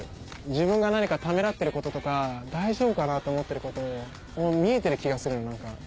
自分が何かためらってることとか大丈夫かなって思ってることを見えてる気がするの何か。